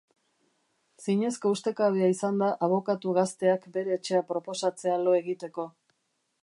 Zinezko ustekabea izan da abokatu gazteak bere etxea proposatzea lo egiteko.